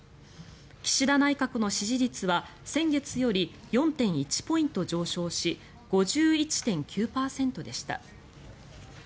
岸田内閣の支持率は先月より４．１ポイント上昇し５１．９％でした。